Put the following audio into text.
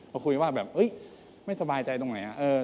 พอคุยว่าแบบไม่สบายใจตรงไหน